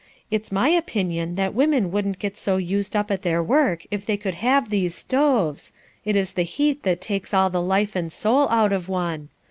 It's my opinion that women wouldn't get so used up at their work if they would have these stoves; it is the heat that takes all the life and soul out of one.